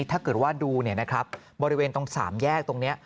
ถ้าเกิดว่าดูบริเวณตรง๓แยกตรงนี้